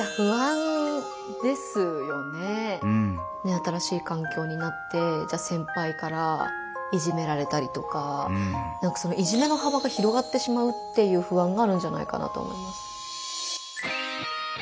新しい環境になってじゃ先輩からいじめられたりとかいじめの幅が広がってしまうっていう不安があるんじゃないかなと思います。